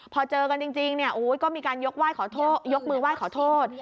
พอเจอกันจริงก็มีการยกมือไหว้ขอโทษ